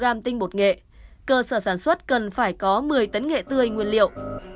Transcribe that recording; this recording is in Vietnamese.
nếu áp dụng tỉ lệ hai mươi kg nghệ tươi cho ra một kg tinh bột nghệ cơ sở sản xuất cần phải có một mươi tấn nghệ tươi nguyên liệu